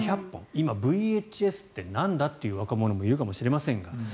今、ＶＨＳってなんだ？という若者もいるかもしれませんが。